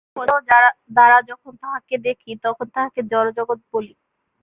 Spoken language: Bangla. পঞ্চেন্দ্রিয় দ্বারা যখন তাঁহাকে দেখি, তখন তাঁহাকে জড়জগৎ বলি।